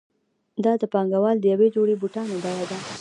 دا د پانګوال د یوې جوړې بوټانو بیه ده